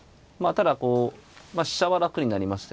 ただこう飛車は楽になりましたよね。